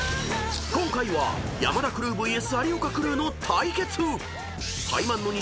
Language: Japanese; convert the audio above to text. ［今回は山田クルーＶＳ有岡クルーの対決］